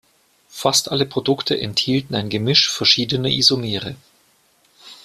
Fast alle Produkte enthielten ein Gemisch verschiedener Isomere.